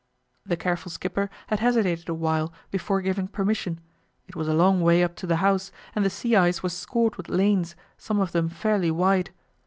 The careful skipper had hesitated a while before giving permission; it was a long way up to the house, and the sea ice was scored with lanes, some of them fairly wide.